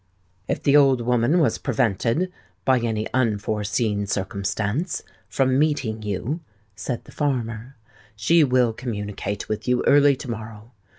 "If the old woman was prevented, by any unforeseen circumstance, from meeting you," said the farmer, "she will communicate with you early to morrow.